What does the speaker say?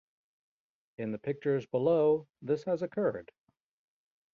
In the pictures below this has occurred.